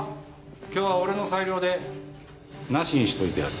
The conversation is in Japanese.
今日は俺の裁量でなしにしといてやる。